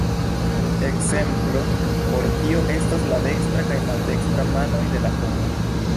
Ekzemplo por tio estas la dekstra kaj maldekstra manoj de la homo.